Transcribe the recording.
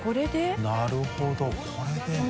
△なるほどこれで。